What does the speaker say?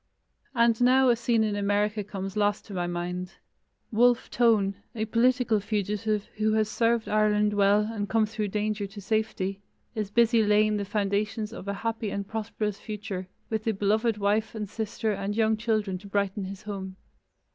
And now a scene in America comes last to my mind. Wolfe Tone, a political fugitive who has served Ireland well and come through danger to safety, is busy laying the foundations of a happy and prosperous future, with a beloved wife and sister and young children to brighten his home.